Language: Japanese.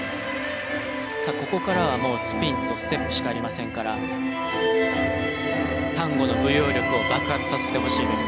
さあここからはもうスピンとステップしかありませんからタンゴの舞踊力を爆発させてほしいです。